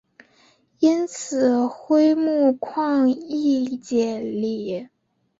因此辉钼矿易解理。